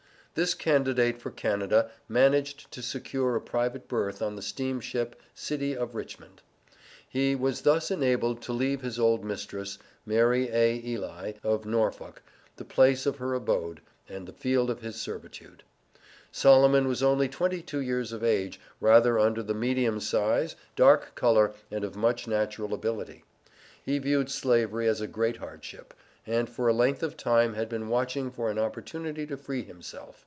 This candidate for Canada managed to secure a private berth on the steamship City of Richmond. He was thus enabled to leave his old mistress, Mary A. Ely, in Norfolk, the place of her abode, and the field of his servitude. Solomon was only twenty two years of age, rather under the medium size, dark color, and of much natural ability. He viewed Slavery as a great hardship, and for a length of time had been watching for an opportunity to free himself.